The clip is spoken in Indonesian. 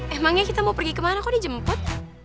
emangnya kita mau pergi kemana kok dijemput